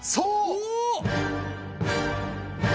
おっ！